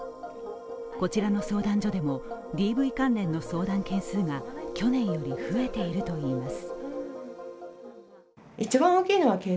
こちらの相談所でもＤＶ関連の相談件数が去年より増えているといいます。